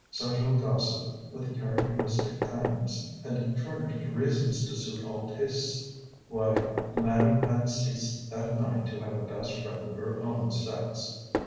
Social gossip, with characteristic kindness, had furnished reasons to suit all tastes, why madame had ceased that night to have a best friend of her own sex.